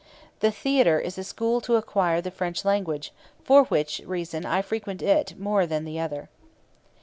The theatre is a school to acquire the French language, for which reason I frequent it more than the other.